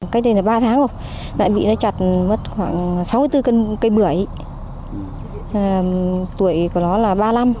cách đây là ba tháng rồi lại bị nó chặt mất khoảng sáu mươi bốn cây bưởi tuổi của nó là ba mươi năm